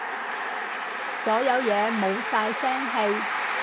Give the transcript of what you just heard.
所有嘢冇晒聲氣